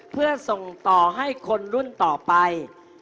เพื่อส่งต่อให้คนรุ่นต่อไป